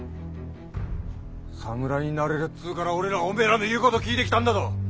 侍になれるっつうから俺らおめらの言うごど聞いてきたんだぞ！